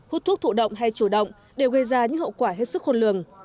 hút thuốc thụ động hay chủ động đều gây ra những hậu quả hết sức khôn lường